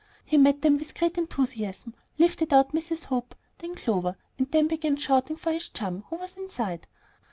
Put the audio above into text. He met them with great enthusiasm, lifted out Mrs. Hope, then Clover, and then began shouting for his chum, who was inside.